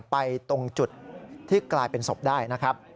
ตรงจุดที่กลายเป็นศพได้นะครับ